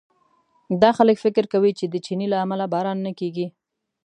دا خلک فکر کوي چې د چیني له امله باران نه کېږي.